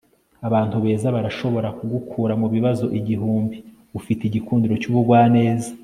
abantu beza barashobora kugukura mu bibazo igihumbi ufite igikundiro n'ubugwaneza